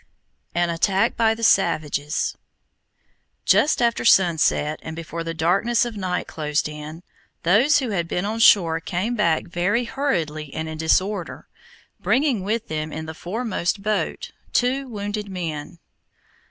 AN ATTACK BY THE SAVAGES Just after sunset, and before the darkness of night closed in, those who had been on shore came back very hurriedly and in disorder, bringing with them in the foremost boat, two wounded men.